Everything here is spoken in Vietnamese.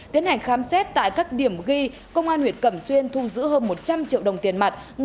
tiến hành khám xét tại các điểm ghi công an huyện cẩm xuyên thu giữ hơn một trăm linh triệu đồng tiền mặt